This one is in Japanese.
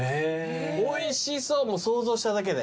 おいしそうもう想像しただけで。